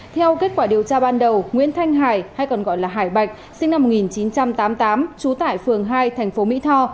theo kết quả điều tra ban đầu nguyễn thanh hải hay còn gọi là hải bạch sinh năm một nghìn chín trăm tám mươi tám trú tại phường hai thành phố mỹ tho